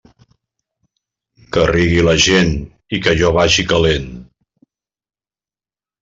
Que rigui la gent i que jo vagi calent.